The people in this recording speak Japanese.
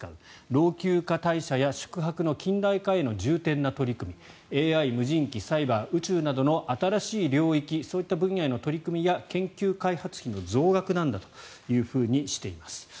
老朽化隊舎や宿泊の近代化への重点な取り組みＡＩ、無人機、サイバー宇宙などの新しい領域そういった分野への取り組みや研究開発費の増額なんだというふうにしています。